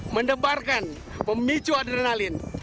mendebarkan memicu adrenalin